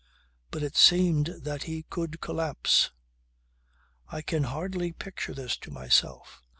But it seems that he could collapse. I can hardly picture this to myself.